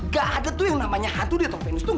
gak ada tuh yang namanya hantu dia atau venus tuh